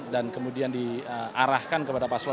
dan kemudian diarahkan kepada masyarakat